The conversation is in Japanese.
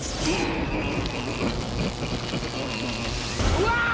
うわ！